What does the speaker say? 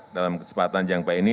dalam kesempatan yang baik ini